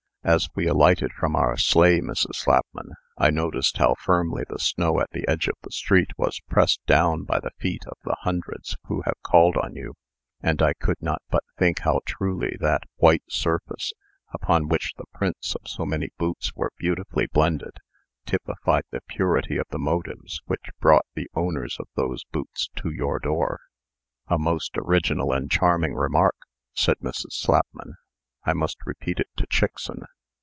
"As we alighted from our sleigh, Mrs. Slapman, I noticed how firmly the snow at the edge of the street was pressed down by the feet of the hundreds who have called on you; and I could not but think how truly that white surface, upon which the prints of so many boots were beautifully blended, typified the purity of the motives which brought the owners of those boots to your door." "A most original and charming remark!" said Mrs. Slapman. "I must repeat it to Chickson.